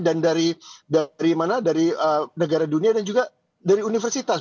dan dari negara dunia dan juga dari universitas